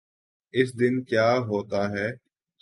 اس دن کیا ہوتاہے۔